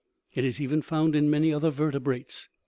It is even found in many other vertebrates.